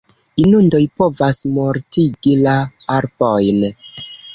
Inundoj povas mortigi la arbojn.